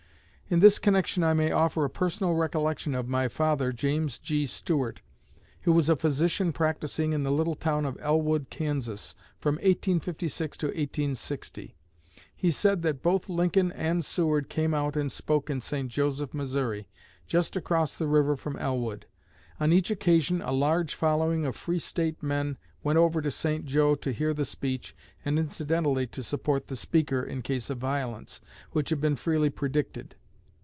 In this connection I may offer a personal recollection of my father, James G. Stewart, who was a physician practicing in the little town of Elwood, Kansas, from 1856 to 1860. He said that both Lincoln and Seward came out and spoke in St. Joseph, Mo., just across the river from Elwood. On each occasion a large following of 'free state' men went over to St. Jo to hear the speech and incidentally to support the speaker in case of violence, which had been freely predicted.